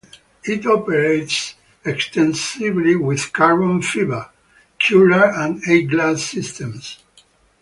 It operates extensively with carbon fiber, Kevlar and E-glass systems.